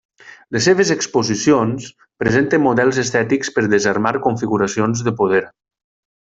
Les seves exposicions presenten models estètics per desarmar configuracions de poder.